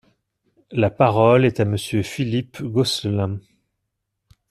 La parole est à Monsieur Philippe Gosselin.